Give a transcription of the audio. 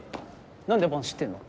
何で伴知ってんの？